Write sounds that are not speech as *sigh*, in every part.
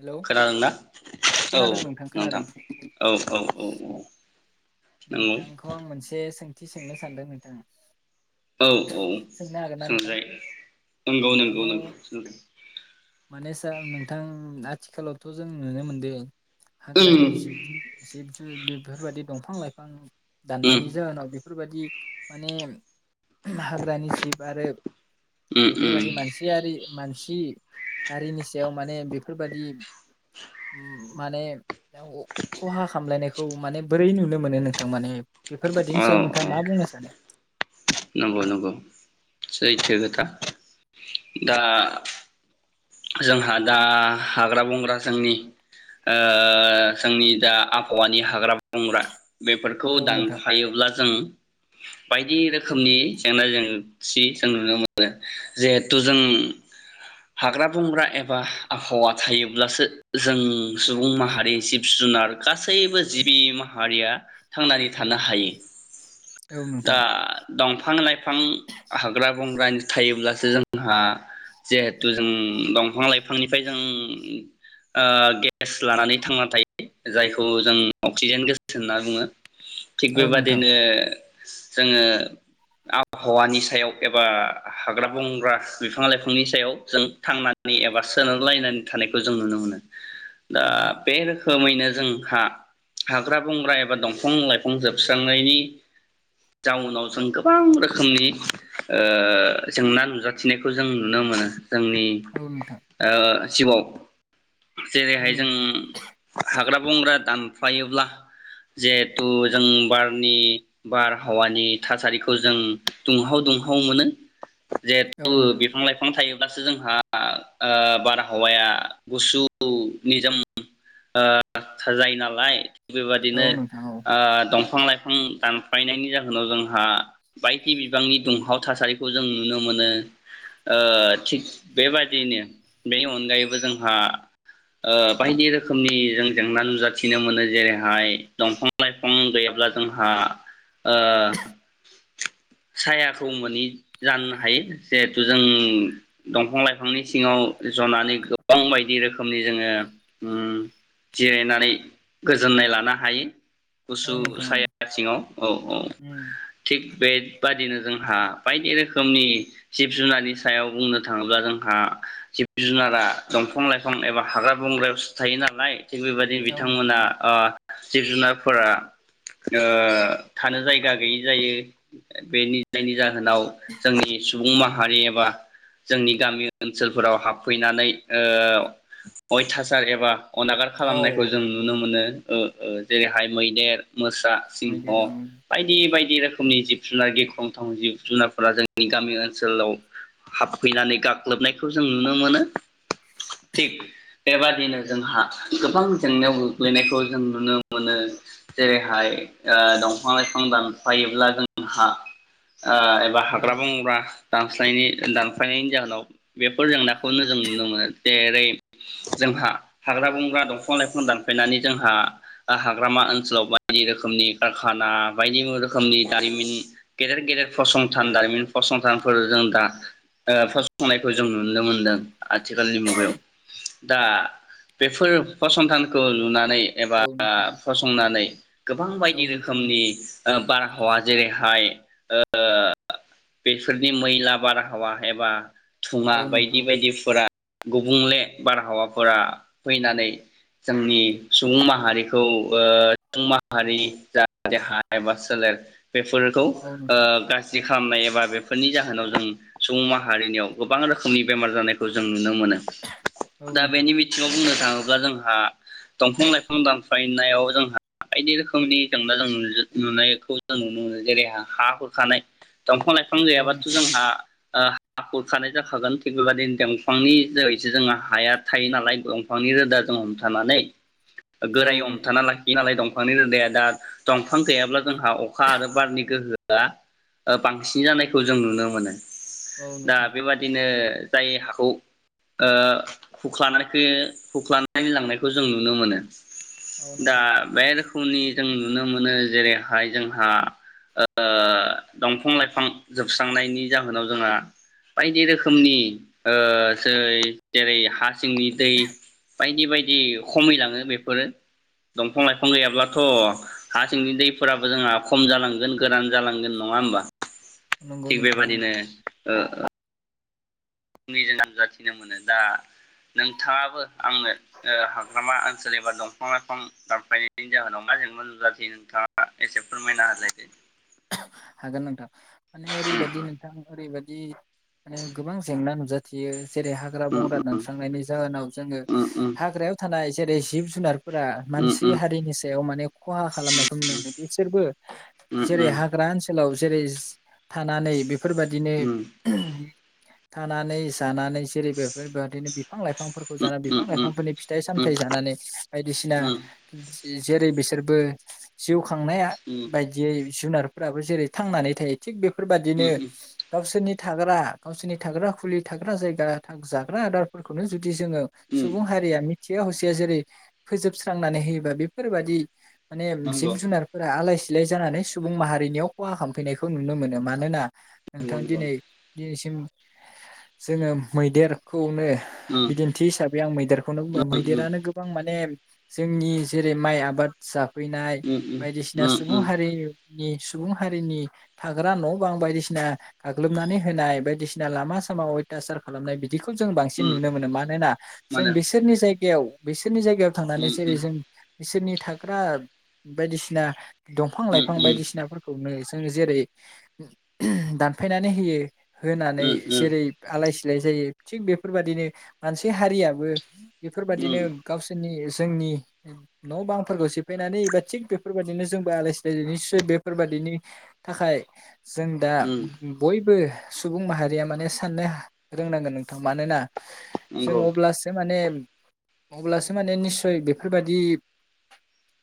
Hello खोनादोंना औ खोनादों खोनादों नोंथां औ औ औ नंगौ नोंथांखौ आं मोनसे सोंथि सोंनो सानदों नों औ *unintelligible* औ सोंनो हागोन ना नोंथाङा सोंजायो नंगौ नंगौ नंगौ माने आथिखालावथ' जों नुनो मोनदों उम हाग्रानि जिब जुनार जिब बेफोरबायदि दफां लाइ फां उम दाननायनि जाहोनाव बे फोरबायदि माने हाग्रानि जिब आरो उम उम बेफोरबायदि मानसिआरि मानसि *unintelligible* हारिनि सायाव माने बेफोरबादि उम माने *unintelligible* खहा खामलायनायखौ माने बोरै नुनो मोनो नों थां माने बेफोरबायदिनि औ सायाव नोंथाङा औ मा बुंनो सा *unintelligible* नंगौ नंगौ सैथो खोथा। दा जोंहा दा हाग्रा बंग्रा जोंनि ओ जोंनि दा आबहावानि हाग्रा बंग्रा बेफोरखौ औ नोंथां दानफायोब्ला जों बायदि रोखोमनि जेंना जेंसि जों नुनो मोनो। जिहेथु जों हाग्रा बंग्रा एबा आबहावा थायोब्लासो जों सुबुं माहारि जिब जुनार गासैबो जिबि माहारिया थांनानै थानो हायो। औ दा नोंथां दंफां लाइफां हाग्रा बंग्रानि थायोब्लासो जोंहा जे हेथु जों दंफां लाइफांनिफ्राय जों ओ गेस लानानै थांनानै थायो जायखौ जों अक्सिजेन गेस होनना बुङो। थिग औ नोंथां बेबादिनो जोङो आबहावानि सायाव एबा हाग्रा बंग्रा बिफां लाइफांनि सायाव जों थांनानै एबा सोनारलायनानै थानायखौ जों नुनो मोनो। दा उम बे रोख खोमैनो जोंहा हाग्रा बंग्रा एबा दंफां लाइफां जोबस्रांनायनि जाउनाव जों गोबां रोखोमनि ओ जेंना नुजाथिनायखौ जों नुनो मोनो। जोंनि औ नोंथां ओ थिबाव औ जेरैहाय जों नोंथां हाग्रा बंग्रा दामफायोब्ला जिहेथु जों बारनि बारहावानि थासारिखौ जों दुंहाव दुंहाव मोनो। औ जेहेथु नोंथां बिफां लाइफां थायो ब्लासो जोंहा ओ बारहावाया गुसु निजोम ओ *unintelligible* नालाय। बेबायदिनो औ नोंथां औ ओ दं फां लाइफां दानफायनायनि जाहोनाव जोंहा बायदि बिबांनि दुंहाव थासारिखौ जों नुनो मोनो। ओ थिग बेबायदिनो बेनि अनगायैबो जोंहा ओ बायदि रोखोमनि जों जेंना नुजाथिनो मोनो। जेरैहाय दंफां लाइफां गैयाब्ला जोंहा ओ सायाखौ मोनै जानो हायो। जिहेथु जों दंफां लाइफांनि सिङाव जनानै गोबां बायदि रोखोमनि जोङो उम जिरायनानै गोजोननाय लानो हायो । गुसु औ नोंथां औ साया सिङाव औ औ। उम थिग बे बादिनो जोंहा बायदि रोखोमनि जिब जुनारनि सायाव बुंनो थाङोब्ला जोंहा जिब जुनारा दंफां लाइफां एबा हाग्रा बंग्रायावसो थायो नालाय थिग बेबायदिनो औ नोंथां बिथांमोना औ आब जिब जुनारफोरा ओ थानो जायगा गैयि जायो बेनि नै जाहोन नाव जोंनि सुबुंयानो सुबुं माहारि एबा जोंनि गामि ओनसोलफोराव हाबफैनानै ओ अयथासार एबा अनागार खालामनायखौ औ जों औ नुनो नोंथां मोनो ओ ओ जेरैहाय मैदेर मोसा सिंह मैदेर औ बायदि बायदि नि रोखोमनि जिब जुनार गिख्रंथाव जिब जुनारफोरा जोंनि गामि ओनसोलाव हाबफैनानै गाग्लोबनायखौ जों नुनो मोनो थिग बेबादिनो जोंहा गोबां जेंनायाव गोग्लैनायखौ जों नुनो मोनो जेरैहाय ओ दंफां लाइफां दानफायोब्ला जों ओं हा ओ एबा हाग्रा बंग्रा दानस्लायनाय दानफायनायनि जाहोनाव बेफोर जेंनाखौनो जों नुनो मोनो जेरै जोंहा हाग्रा बंग्रा दंफां लाइफां दानफायनानै जोंहा ओ हाग्रामा ओनसोलाव बायदि रोखोमनि कारखाना बायदि रोखोमनि दारिमिन गेदेर गेदेर फसंथान दारिमिन फसंथानफोर जों दा ओ फसंनायखौ जों नुनो मोनदों आथिखालनि मुगायाव दा बेफोर फसंथानखौ नुनानै नै एबा नोंथां फसंनानै गोबां बायदि औ नोंथां रोखोमनि ओम हावा जेरैहाय ओ बेफोरनि मैला बारहावा एबा थुङा औ बायदि नोंथां बायदिफोरा गुबुंले बारहावाफोरा फैनानै जोंनि सुबुं माहारिखौ ओ सुबुं माहारि जा देहा एबा सोलेर बेफोरखौ औ गासिब‌ खालामनाय एबा बेफोरनि जाहोनाव जों सुबुं माहारिनियाव गोबां रोखोमनि बेमार जानायखौ जों नुनो मोनो औ दा नोंथां बेनि बिथिङाव बुंनो थाङो जोंहा दंफां लाइफां दानफायनायाव जोंहा बायदि रोखोमनि जेंना जों नुनायखौ जों नुनो मोनो जेरै हा हुरखानाय दंफां लाइफां औ गैयाबाथ' नोंथां जोंहा हा खुरखानाय जाखागोन थिग बेबायदिनो दंफांनि जैसो जोंहा हाया थायो नालाय दंफांनि रोदा जों हमथानानै गोरायै औ नोंथां हमथाना लाखियो नालाय दं दंफांनि रोदाया दा दंफां गैयाब्ला जोंहा अखा आरो बारनि गोहोआ बांसिन जानायखौ जों नुनो मोनो औ दा नोंथां बेबादिनो जाय हाखौ हुख्लानायख हुख्लानानै लांनायखौ जों नुनो मोनो औ दा नोंथां बे रोखोम दुखुनि जों नुनो मोनो जेरैहाय जों ओ‌ ओ दंफां लाइफां जोबस्रांनायनि जाहोनाव जोंहा बायदि रोखोमनि ओ जेरै हा सिंनि दै बायदि बायदि खमैलाङो बेफोरो। दंफां लाइफां गैयाब्लाथ' हा सिंनि दैफोराबो जोंहा खम जालांगोन गोरान जालांगोन नङा होमबा? नंगौ थिग नोंथां नंगौ। बेबादिनो ओ आंनि जों नुजाथिनो मोनो दा नोंथाङाबो आंनो ओ हाग्रामा ओनसोल एबा दंफां लाइफां दानफायनायनि जाहोनाव मा जेंना नुजाथियो नोंथाङा एसे फोरमायना होलाय दे। हागोन नोंथां माने ओरैबायदि नोंथां ओरैबा दि माने गोबां जेंना नुजा थियो। जेरै हाग्रा बंग्रा उम दानस्रांनायनि जाहोनाव जोङो उम हाग्रायाव थानाय जेरै जिब जुनार फोरा उम मानसि उम उम हारिनि सायाव माने खहा खालामनायखौ नुनो मोनो बिसोरबो उम उम जेरै हाग्रा ओनसोलाव जेरैस थानानै बेफोरबादिनो थानानै जानानै जेरै बेफोरबादिनो बिफां लाइफांफोरखौ जानानै उम बिफां लाइफांफोरनि फिथाइ सामथायाइ जानानै बायदिसिना जेरै बिसोरबो जिउ खांनाया उम बायदियै जुनारफोराबो जेरै थांनानै थायो थिग बे फोरबायदिनो उम उम गावसोरनि थाग्रा गावसोरनि थाग्रा खुलि थाग्रा जाया जाग्रा आदारफोखौनो जु दि जोङो उम सुबुं हारिया मि थिया हसिया जेरै फोजोबस्रांनानै होयोबा बेफोरबादि माने जिब नंगौ जुनारफोरा आलायसि सिलाय जानानै सुबुं माहारिनियाव खहा खालामफैनायखौ नुनो मोनो मानोना नोंथां नंगौ दिनै दि जोङो मैदेरखौनो नंगौ बिदिन्थि हिसाबै आं मैदेरखौनो बुंबाय उम मैदेरानो गोबां माने जोंनि जेरै माइ आबाद जा फैनाय उम बायदिसिना उम सुबुं हारि नि सुबुं हारिनि थाग्रा न' बां बायदिसिना गाग्लोबनानै होनाय बायदिसिना लामा सामा अयथाचार खालामनाय बि बिखौ जों उम बांसिन नुनो मोनो मानोना मा जों होनो बिसोरनि जायगायाव रनि जायगायाव थांनानै उम जेरै उम जों इसोरनि थाग्रा बायदिसिना दंफां बिफां उम बायदिसिनाफोरखौनो जों जेरै दानफायनानै होयो होनानै उम उम जेरै आलायसि जायो थिग बेफोर बायदिनो मोनसे हारियाबो बेफोर बायदिनो उम गावसोरनि जोंनि न' बांफोरखौ सेफायनानैबा थिग बेफोरबायाददिनो जोंबो आलायसि निसय बेफोरबादिनि थाखाय जों दा बयबो सुबुं माहारिया माने साननो रोंनांगोन नोंथां मानोना जों नंगौ अब्लासो माने अब्लासो माने निसय बेफोरबायाददि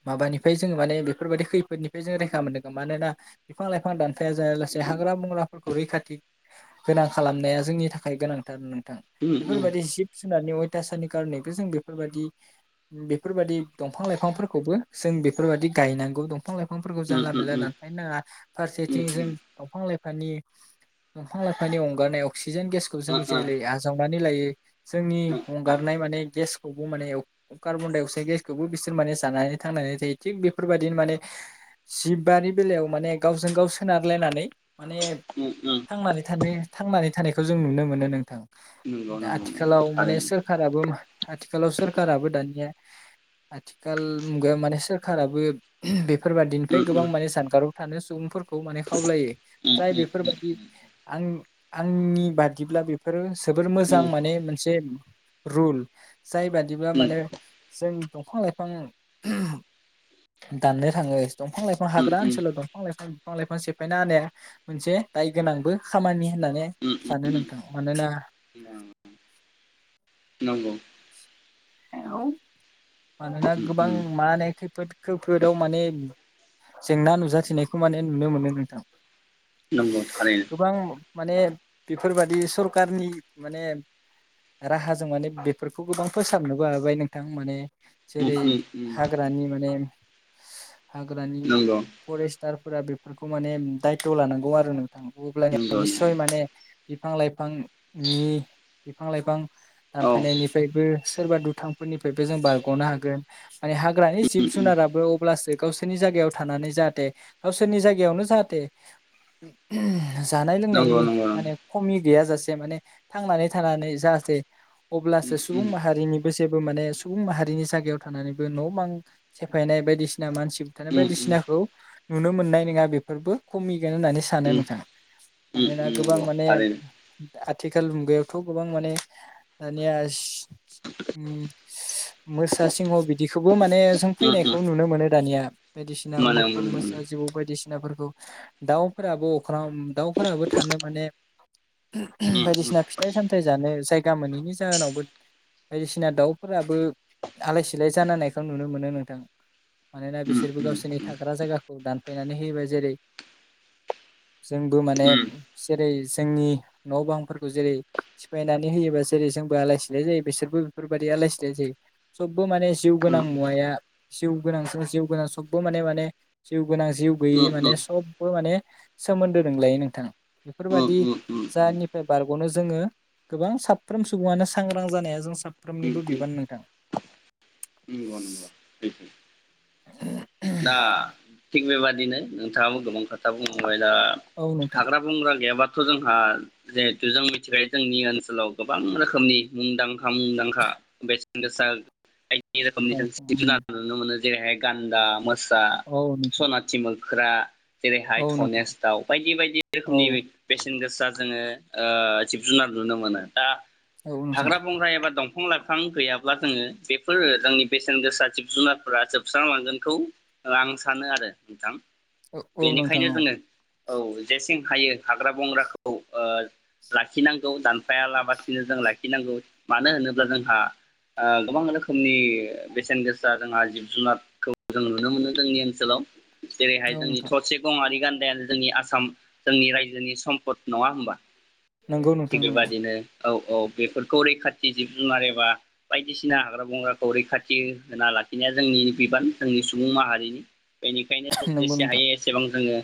माबानिफ्राय जोङो माने बेफोर बायदि खैफोदनि जों रैखा मोनदों मानोना बिफां लाइफां दानफाया जाया लासे हाग्रा हाग्राफोरखौ रैखाथि गोनां खालामनाया जोंनि थाखाय गोनांथार । थां उम बेफोरबायदि उम जिब जुनारनि हथासनि कारनैबो जों बेफोरबायदि बेफोरबायदि दंफां लाइफांफोरखौबो जों बेफोरबायदि गायनांगौ दंफां लाइफां दंफांफोरखौ उम जानला-मानला दानफायानो नाङा फारसेथिं उम जों उम दंफां लाइफां दंफां लाइफांनि अंगारनाय अक्सि सिक्सिजेन गेसखौ जों ओ ओ जेरै आजावनानै लायो उम नंगौ थारैनो उम जोंनि हंगारनाय माने गेस खौबो माने कार्बन डाइ अक्साइद गेसखौबो बिसोर माने जानानै थांनानै थायो थिग बेफोरबायदिनो माने सिब बानि बेलायाव माने गावजों गाव सोनारलायनानै माने थांनानै थानो थांनानै थानायखौ बेखौ जों नुनो मोनो नोंथां। आथिखालाव माने सोरखाराबो आथिखालाव सोरखाराबो दानिया आथिखाल मुगायाव माने सोरखाराबो ओम बे फोरबादिनिफ्राय गोबां उम माने सानगाराव थानो सु सुबुंफोर खौ माने खावलायो जाय बेफोरबायदि आंनि आंनि बादिब्ला बेफोरो सो जोबोर मोजां माने मोनसे रूल जाय बादिब्ला माने जों दंफां लाइफां दाननो थाङो दंफां लाइफा हाग्रा ओनसाव उम दंफां लाइफां बिफां लाइफां सेफायना होनाया मोनसे दाय गोनांबो खामानि होननानै उम सानो नोंथां मानोना उम नंगौ औ मानोना उम गोबां उम मा ने खै फोद खैफोदाव माने जेंना नुजाथिनायखौ माने नुनो मोनो नोंथां नंगौ थारैनो गोबां माने बेफोरबादि सरखारनि माने राहाजों माने बे फोरखौबो गाव फोसाबनोबो हाबाय नोंथां माने उम जेरै उम उम हाग्रानि माने हाग्रानि नंगौ फरेस्टारफोरा बे फोरखौ माने दायथ' लानांगौ आरो नोंथां अब्लानिया नंगौ नंगौ निसय माने बिफां लाइफांनि बिफां लाइफां औ दानफायनायनि ओ सोरबा दुथांफोरनिफ्रायबो जों बारग'नो हागोन माने हाग्रानि जिब उम उम जुनाराबो अब्लासो गावसोरनि जायगायाव थानानै जाहाथे गावसोरनि जायगायावनो जाहाथे ओम जानाय लोंनायनि नंगौ नंगौ नंगौ माने खमि गैया जासे माने थांनानै थानानै जाहाथे अब्लासो उम सुबुं उम माहारिनि जेबो माने सुबुं माहारिनि जागायाव थानानैबो न' बां सेफायनाय बायदिसिना मानसि बुथारनाय उम उम उम बायदिसिनाखौ नुनो मोननाय नङा बेफोरबो खमि होननानै सानो नोंथां उम उम मानोना गोबां नंगौ माने थारैनो आथिखाल मुगायाव खौ गोबां माने दानिया ओम मोसा सिंह बिदिखौबो माने जों उम उम फैनायखौ नुनो मोनो दानिया बायदिसिना मोनो मुफुर मोनो मोनो मोसा जिबौ बायदिसि नाफोरखौ दाउफोराबो अख्राङाव दाउफोराबो थानो माने उम उम उम बायदिसिना फिथाइ सामथायाइ जानो जायगा मोनैनि जाहोनावबो बायदिसिना दाउफोराबो आलाय सिलाय जानानायखौ नुनो मोनो नोंथां मानोना बिसोरबो उम उम गावसोरनि थाग्रा जायगाखौ दानफायनानै होयोबाय जेरै जोंबो माने जेरै जोंनि न' बांफोरखौ जेरै सिफायनानै होयोबा जेरै जोंबो आलायस सि जायो बिसोरबो बेफोरबायाददि आलाय-सिलाय जायो सबबो माने जिउ गोनां मुवाया जिउ गोनां सो जिउ गोनां सबबो माने - माने जिउ गोनां जिउ गैयि माने सब सबबो माने सोमोन्दो दोंलायो नोंथां । उम बेफोरबायदि उम उम जानिफ्राय बार गनो जोङो गोबां साफ्रोम सुबङानो सांग्रां जानाया जों उम साफ्रोमनिबो बिबान नोंथां । नंगौ नंगौ सैथो *unintelligible* दा थिग बेबादिनो नोंथाङाबो गोबां खोथा बुंलां ओमफाय दा औ नोंथां हाग्रा बंग्रा गैयाबा जोंहा जिहेथु जों मिथिखायो जोंनि ओनसोलाव गोबां रोखोमनि मुंदांखा - मुंदांखा बेसेन गोसा थाय इ रोखोमनि खोन दंफां स्तिफेना नुनो मोनो । जे हे गान्दा मोस सा औ नोंथां सनाथि मोख्रा मोख्रा जेरैहाय औ नोंथां धनेस दाउ बायदि बायदि औ रोखोमनि बै बेसे बेसेन गोसा जोङो ओ जिब जुनार नुनो मोनो। दा औ नोंथां हाग्रा-बंग्रा एबा दं बिफां - लाइफां गैयाब्ला जोङो बेफोरो जोंनि बेसेन गोसा जिब जुनारफोरा जोबस्रांलांगोनखौ आं सानो आरो नोंथां । औ नोंथां ओ औ जेसें हायो हाग्रा बंग्राखौ ओ लाखिनांगौ दानफायालाबसिनो जों लाखिनांगौ मानो होनोब्ला जोंहा ओ गोबां रोखोमनि बेसेन गोसा जोंहा जिब-जुनारखौ जों नुनो मोनो जोंनि ओनसोलाव जेरैहाय औ नोंथां जोंनि थरसे गंआरि गान्दा या जोंनि आसाम जोंनि रायजोनि सम्पद नङा हबा? नंगौ नोंथां नंगौ औ-औ बेफोरखौ रैखाथि जिब जुनार एबा बायदिसिना हाग्रा बंग्राखौ रैखाथि होना लाखिनाया जोंनि बिबान जोंनि सुबुं माहारिनि बेनिखायनो नंगौ जेसे नोंथां हायो एसेबां जोङो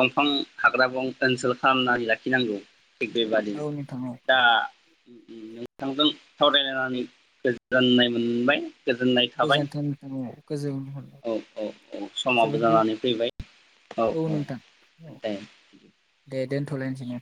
दंफां हाग्रा-बंग्रा ओनसोल खालामनानै लाखिनांगौ थिग बेबादिनो औ नोंथां औ दा नोंथांजों सावरायलायनानै गोजोननाय मोनबाय गोजोननाय थाबाय गोजोन्थों नोंथां गोजोन हर औ औ औ समाबो जानानै फैबाय औ औ दे थल इन्जनि